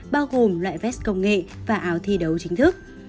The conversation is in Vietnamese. bao gồm loại vét công nghệ và áo thi đấu chính thức